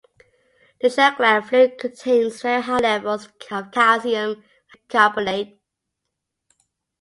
The shell gland fluid contains very high levels of calcium and hydrogen carbonate.